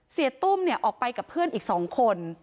เศรษฐ์ตุ้มเนี่ยออกไปกับเพื่อนอีกสองคน